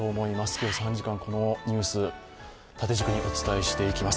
今日は３時間、このニュースを縦軸にお伝えしていきます。